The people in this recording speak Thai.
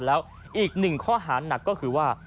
แล้วอีกหนึ่งข้อหาหนักก็คือว่า